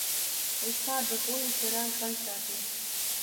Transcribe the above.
استاد د پوهې څراغ بل ساتي.